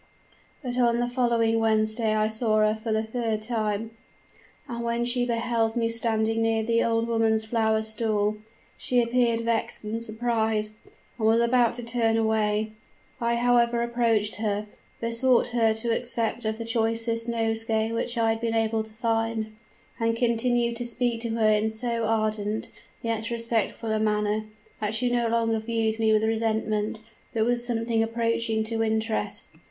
But on the following Wednesday I saw her for the third time; and when she beheld me standing near the old woman's flower stall, she appeared vexed and surprised, and was about to turn away. I however approached her, besought her to accept of the choicest nosegay which I had been able to find, and continued to speak to her in so ardent, yet respectful a manner, that she no longer viewed me with resentment, but with something approaching to interest.